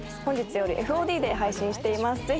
本日よりＦＯＤで配信しています。